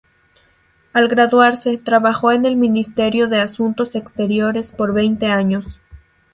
Al graduarse, trabajó en el Ministerio de Asuntos Exteriores por veinte años.